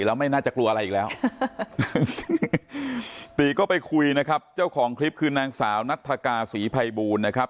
ดูอะไรอีกแล้วตีก็ไปคุยนะครับเจ้าของคลิปคืนนางสาวนัทธากาศรีภัยบูรณ์นะครับ